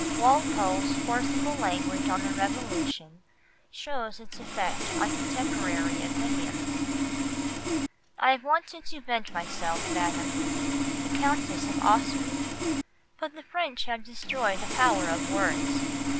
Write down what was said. Walpole's forcible language on the Revolution shows its effect on contemporary opinion: "I have wanted to vent myself, Madam [the Countess of Ossory], but the French have destroyed the power of words.